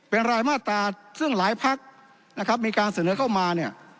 เป็นรายมาตราซึ่งหลายพักนะครับมีการเสนอเข้ามาเนี่ย